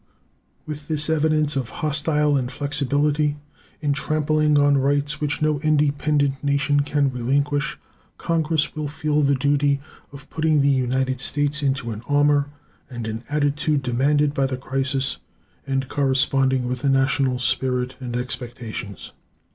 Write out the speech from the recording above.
With this evidence of hostile inflexibility in trampling on rights which no independent nation can relinquish, Congress will feel the duty of putting the United States into an armor and an attitude demanded by the crisis, and corresponding with the national spirit and expectations.